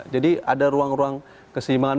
jadi ada ruang ruang keseimbangan